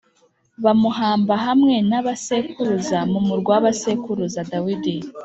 bamuhamba hamwe na ba sekuruza mu murwa wa sekuruza Dawidi